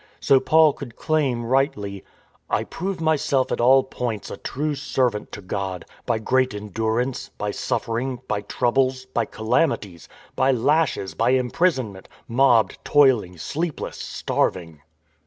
So Paul could claim rightly: " I prove myself at all points a true servant to God, By great endurance, by suffering. By troubles, by calamities, By lashes, by imprisonment; Mobbed, toiling, sleepless, starving."